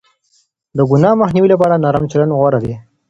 د گناه د مخنيوي لپاره نرم چلند غوره دی.